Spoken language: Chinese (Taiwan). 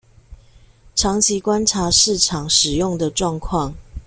長期觀察市場使用的狀況